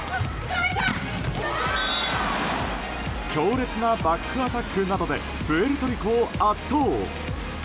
強烈なバックアタックなどでプエルトリコを圧倒。